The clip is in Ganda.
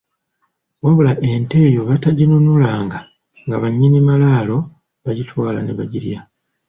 Wabula ente eyo bwe bataaginunulanga nga bannyini malaalo bagitwala ne bagirya.